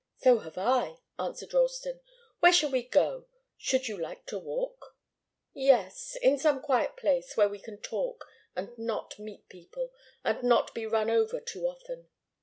"So have I," answered Ralston. "Where shall we go? Should you like to walk?" "Yes in some quiet place, where we can talk, and not meet people, and not be run over too often."